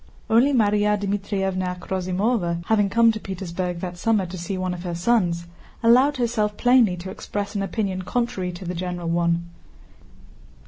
Only Márya Dmítrievna Akhrosímova, who had come to Petersburg that summer to see one of her sons, allowed herself plainly to express an opinion contrary to the general one.